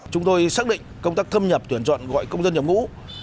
chúng tôi xác định công tác thâm nhập tuyển chọn gọi công dân nhập ngũ